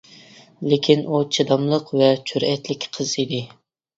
لېكىن، ئۇ چىداملىق ۋە جۈرئەتلىك قىز ئىدى.